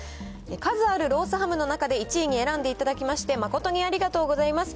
数あるロースハムの中で１位に選んでいただきまして、誠にありがとうございます。